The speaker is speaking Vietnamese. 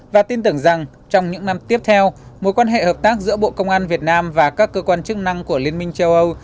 và tin tưởng rằng trong những năm tiếp theo mối quan hệ hợp tác giữa bộ công an việt nam và các cơ quan chức năng của liên minh châu âu